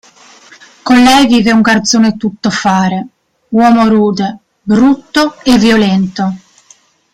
Con lei vive un garzone tuttofare, uomo rude, brutto e violento.